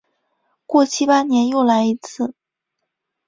过七八年又来一次。